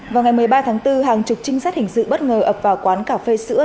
vào ngày một mươi ba tháng bốn hàng chục trinh sát hình sự bất ngờ ập vào quán cà phê sữa